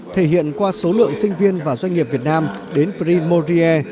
thể hiện qua số lượng sinh viên và doanh nghiệp việt nam đến primorie